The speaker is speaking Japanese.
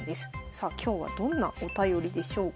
さあ今日はどんなお便りでしょうか。